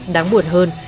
đáng buồn hơn